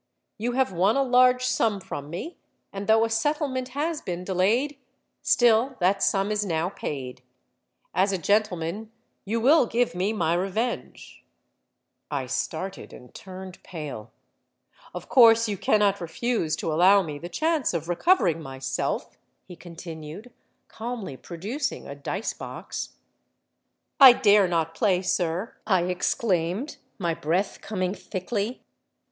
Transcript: You have won a large sum from me; and though a settlement has been delayed, still that sum is now paid. As a gentleman you will give me my revenge.'—I started and turned pale.—'Of course you cannot refuse to allow me the chance of recovering myself,' he continued, calmly producing a dice box.—'I dare not play, sir,' I exclaimed, my breath coming thickly.